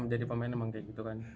jadi pemain emang kayak gitu kan